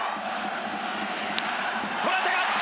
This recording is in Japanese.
捉えたか？